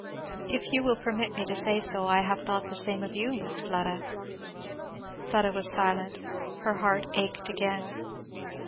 If you will permit me to say so, I have thought the same of you, Miss Fleda." Fleda was silent; her heart ached again.